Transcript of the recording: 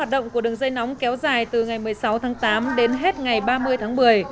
hoạt động của đường dây nóng kéo dài từ ngày một mươi sáu tháng tám đến hết ngày ba mươi tháng một mươi